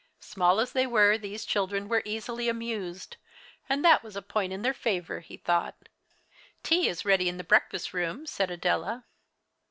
Small as they were, these children were easily amused, and that was a point in their favor, he thought. "Tea is ready in the breakfast room," said Adela.